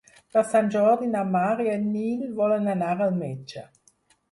Per Sant Jordi na Mar i en Nil volen anar al metge.